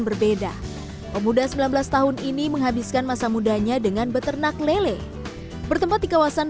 berbeda pemuda sembilan belas tahun ini menghabiskan masa mudanya dengan beternak lele bertempat di kawasan